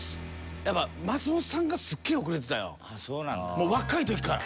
やっぱもう若い時から。